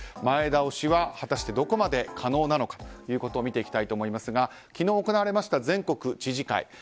前倒しは果たしてどこまで可能なのかということを見ていきたいと思いますが昨日行われました全国知事会。